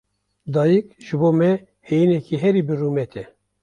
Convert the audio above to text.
Dayîk, ji bo me heyîneke herî birûmet e.